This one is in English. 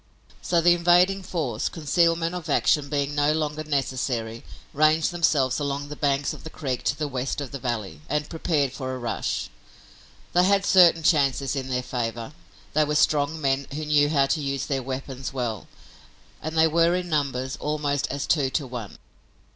So the invading force, concealment of action being no longer necessary, ranged themselves along the banks of the creek to the west of the valley and prepared for a rush. They had certain chances in their favor. They were strong men, who knew how to use their weapons well, and they were in numbers almost as two to one.